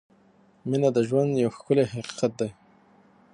• مینه د ژوند یو ښکلی حقیقت دی.